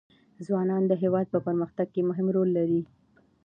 ځوانان د هېواد په پرمختګ کې مهم رول لري.